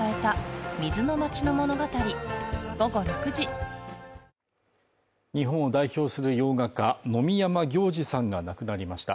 「ハミング」史上Ｎｏ．１抗菌日本を代表する洋画家野見山暁治さんが亡くなりました。